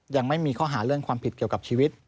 ยังไม่มีข้อหาเรื่องความผิดเกี่ยวกับชีวิต